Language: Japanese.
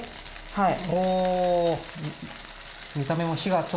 はい。